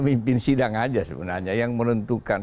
pimpin sidang saja sebenarnya yang menentukan